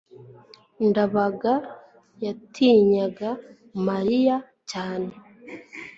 ndabaga yatinyaga mariya cyane